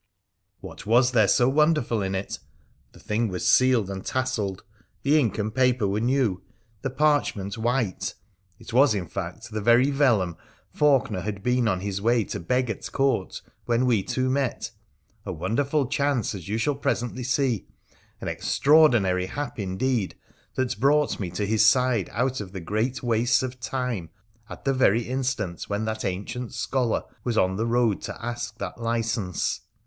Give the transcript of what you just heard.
What was there so wonderful in it ? The thing was sealed and tasselled, the ink and paper were new, the parchment white ; it was, in fact, the very vellum Faulkener had been on his way to beg at Court when we two met — a wonderful chance, as you shall presently see, an extraordinary hap indeed that brought me to his side out of the great wastes of time at the very instant when that ancient scholar was on the road to ask that license.